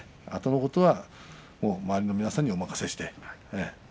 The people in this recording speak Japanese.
あとのことは周りの皆さんにお任せすると。